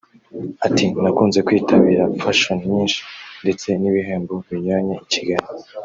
Ati “ Nakunze kwitabira fashions nyinshi ndetse n’ibihembo binyuranye i Kigali